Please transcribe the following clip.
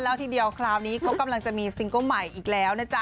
แล้วทีเดียวคราวนี้เขากำลังจะมีซิงเกิ้ลใหม่อีกแล้วนะจ๊ะ